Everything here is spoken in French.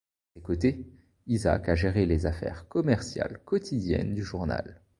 À ses côtés, Isaac a géré les affaires commerciales quotidiennes du journal.